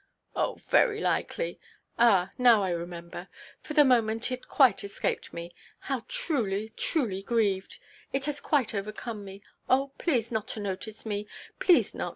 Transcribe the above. "Oh, very likely. Ah, now I remember. For the moment it quite escaped me. How truly, truly grieved—it has quite overcome me. Oh, please not to notice me—please not.